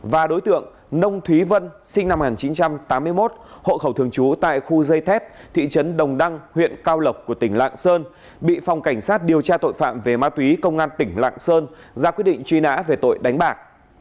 và đối tượng nông thúy vân sinh năm một nghìn chín trăm tám mươi một hộ khẩu thường trú tại khu dây thép thị trấn đồng đăng huyện cao lộc của tỉnh lạng sơn bị phòng cảnh sát điều tra tội phạm về ma túy công an tỉnh lạng sơn ra quyết định truy nã về tội đánh bạc